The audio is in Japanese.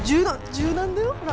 柔軟だよほら